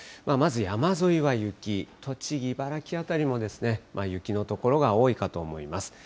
まず山沿いは雪、栃木、茨城辺りも雪の所が多いかと思います。